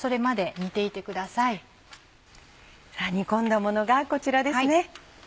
煮込んだものがこちらですね。